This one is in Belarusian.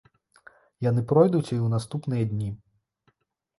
Яны пройдуць і ў наступныя дні.